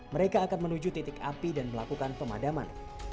mereka akan menuju titik api dan melakukan pemadaman